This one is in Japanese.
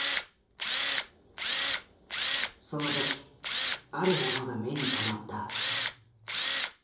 その時あるものが目に留まった。